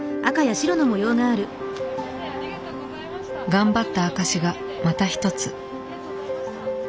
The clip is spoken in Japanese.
頑張った証しがまた一つ。